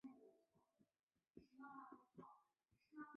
侧线显着而直走。